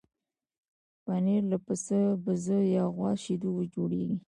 پنېر له پسه، بزه یا غوا شیدو جوړېږي.